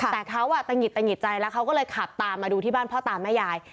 แต่เขาตะหิดตะหิดใจแล้วเขาก็เลยขับตามมาดูที่บ้านพ่อตาแม่ยาย